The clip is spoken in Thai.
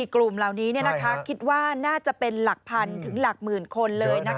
กลุ่มเหล่านี้คิดว่าน่าจะเป็นหลักพันถึงหลักหมื่นคนเลย